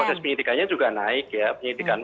proses penyidikannya juga naik ya penyidikan